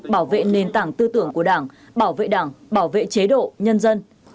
bảo vệ nền tảng tư tưởng của đảng bảo vệ đảng bảo vệ chế độ nhân dân